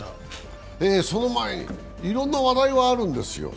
その前に、いろんな話題はあるんですよ。